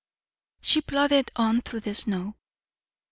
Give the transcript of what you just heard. She plodded on through the snow.